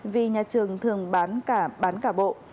vì nhà trường thường bán cả bộ